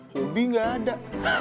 lebih gak ada